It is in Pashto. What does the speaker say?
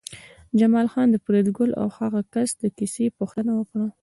جمال خان د فریدګل او هغه کس د کیسې پوښتنه وکړه